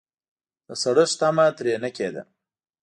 د سړښت تمه ترې نه کېده.